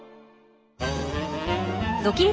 ドキリ★